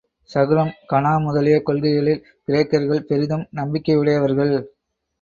சகுனம், கனா முதலிய கொள்கைகளில் கிரேக்கர்கள் பெரிதும் நம்பிக்கையுடையவர்கள்.